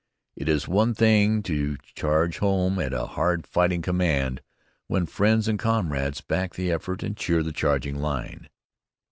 It is one thing to charge home at a hard fighting command when friends and comrades back the effort and cheer the charging line.